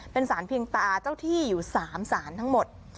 เป็นสารเพียงตาเจ้าที่อยู่๓สารทั้งหมด